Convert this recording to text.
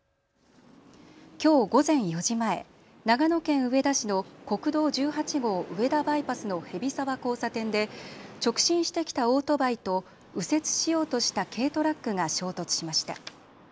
きょう午前４時前、長野県上田市の国道１８号上田バイパスの蛇沢交差点で直進してきたオートバイと右折しようとした軽トラックが衝突しました。